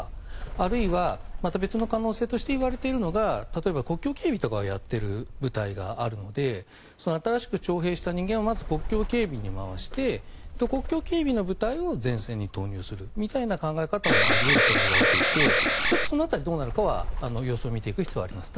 あるいは、また別の可能性として言われているのが例えば国境警備とかをやっている部隊があるのでその新しく徴兵した人間をまず国境警備に回して国境警備の部隊を前線に投入するということもあり得るとは言われていてその辺りどうなるかは様子を見ていく必要はあります。